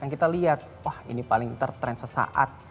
kita lihat wah ini paling tertren sesaat